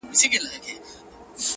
چي سر دي نه خوږېږي، داغ مه پر ايږده.